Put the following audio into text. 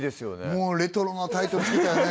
もうレトロなタイトルつけたよね